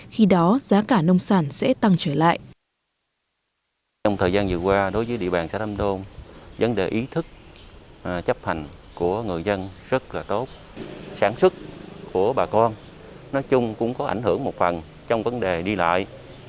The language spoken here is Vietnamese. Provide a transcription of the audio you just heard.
khi đó giá cả nông sản sẽ tăng trở lại